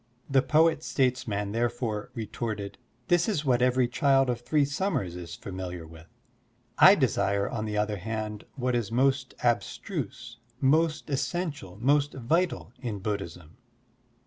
The poet statesman therefore retorted: "This is what every child of three summers is familiar with. I desire on the other hand what is most abstruse, most essential, most vital in Buddhism.''